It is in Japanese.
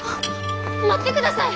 待ってください！